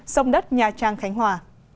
sông đất nhà trang khánh hòa